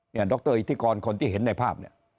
เนี่ยดรอร์ฟอีโทษภาคอิทธิกรคนที่เห็นในภาพ